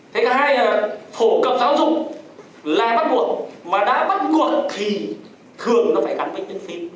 thế thứ hai là phổ cập giáo dục là bắt buộc mà đã bắt buộc thì thường nó phải gắn với phim